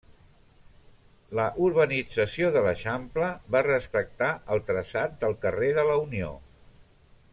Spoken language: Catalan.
La urbanització de l'Eixample va respectar el traçat del carrer de la Unió.